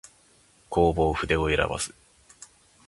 弘法筆を選ばず